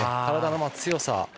体の強さ。